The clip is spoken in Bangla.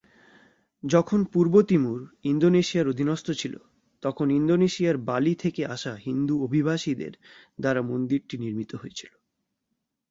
যখন পূর্ব তিমুর, ইন্দোনেশিয়ার অধীনস্থ ছিল, তখন ইন্দোনেশিয়ার বালি থেকে আসা হিন্দু অভিবাসীদের দ্বারা মন্দিরটি নির্মিত হয়েছিল।